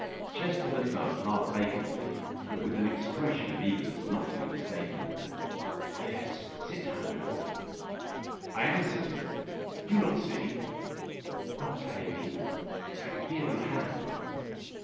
Chester looked up half vacantly but with an expression of eagerness not to be mistaken. "Yes. Sit down, my lord." "I am sitting. Do you not see?" "Not plainly; but I can feel your hand."